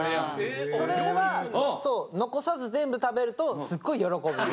それは残さず全部食べるとすっごい喜ぶ。